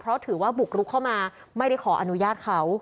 เพราะถือว่าบุกรุกเข้ามาไม่ได้ขออนุญาตเขา